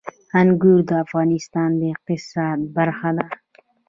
انګور د افغانستان د اقتصاد برخه ده.